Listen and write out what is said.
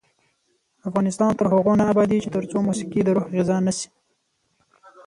افغانستان تر هغو نه ابادیږي، ترڅو موسیقي د روح غذا نشي.